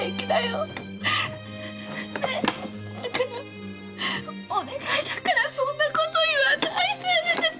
ねえだからお願いだからそんなこと言わないで！